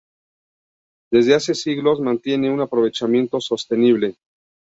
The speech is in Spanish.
Desde hace siglos mantiene un aprovechamiento sostenible.